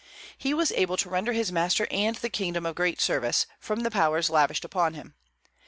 He was able to render his master and the kingdom a great service, from the powers lavished upon him.